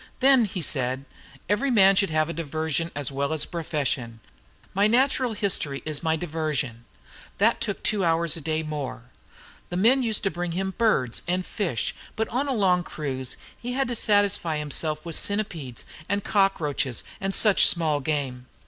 "Then," said he, "every man should have a diversion as well as a profession. My Natural History is my diversion." That took two hours a day more. The men used to bring him birds and fish, but on a long cruise he had to satisfy himself with centipedes and cockroaches and such small game.